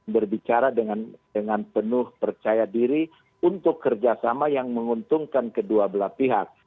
berbicara dengan penuh percaya diri untuk kerjasama yang menguntungkan kedua belah pihak